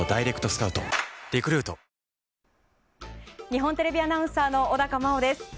日本テレビアナウンサーの小高茉緒です。